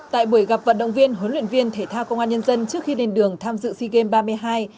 tại buổi gặp vận động viên huấn luyện viên thể thao công an nhân dân trước khi lên đường tham dự sea games ba mươi hai